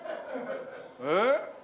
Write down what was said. えっ？